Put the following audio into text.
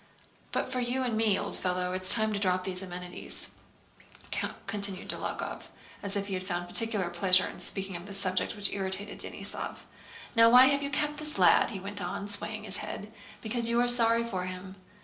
"But for you and me, old fellow, it's time to drop these amenities," continued Dólokhov, as if he found particular pleasure in speaking of this subject which irritated Denísov. "Now, why have you kept this lad?" he went on, swaying his head. "Because you are sorry for him!